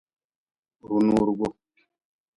Runuurgu.